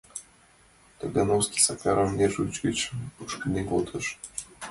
— Тагановский Сакарым нершуж гыч мушкынден колтыш.